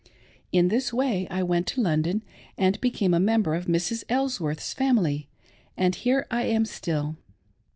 In this way I went to London, and became ^ member of Mrs. ElsWorth's family — and here I am still.